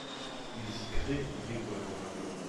Ils y créent une école.